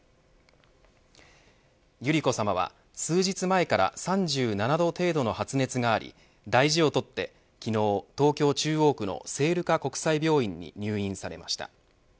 百合子さまは数日前から３７度程度の発熱があり大事をとって昨日東京、中央区の聖路加国際病院に入院されました。